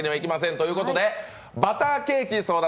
ということでバターケーキ争奪！